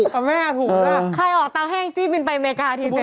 ก็แม่ถูกใครออกเตาแห้งจี้บินไปอเมริกาทีเต็ม